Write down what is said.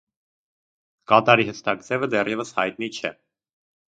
Կատարի հստակ ձևը դեռևս հայտնի չէ։